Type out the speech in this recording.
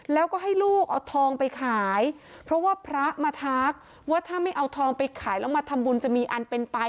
แล้วก็ให้ลูกเอาทองไปขายเพราะว่าพระมาทักว่าถ้าไม่เอาทองไปขายแล้วมาทำบุญจะมีอันเป็นไป